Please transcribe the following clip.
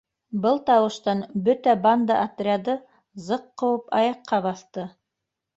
Был тауыштан бөтә банда отряды зыҡ ҡубып аяҡҡа баҫты.